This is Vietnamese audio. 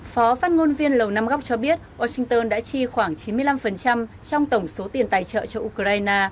phó phát ngôn viên lầu nam góc cho biết washington đã chi khoảng chín mươi năm trong tổng số tiền tài trợ cho ukraine